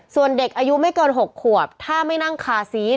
ส่วนเด็กอายุไม่เกิน๖ขวบถ้าไม่นั่งคาซีส